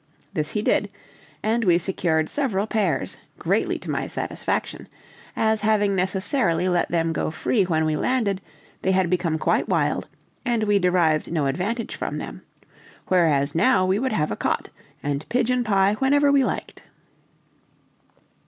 This he did; and we secured several pairs, greatly to my satisfaction, as having necessarily let them go free when we landed, they had become quite wild and we derived no advantage from them: whereas now we would have a cot, and pigeon pie whenever we liked.